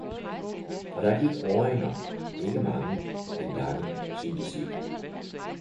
Og der gik åringer, ikke mange, men lange, syntes ib